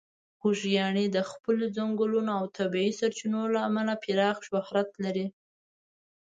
خوږیاڼي د خپلې ځنګلونو او د طبیعي سرچینو له امله پراخه شهرت لري.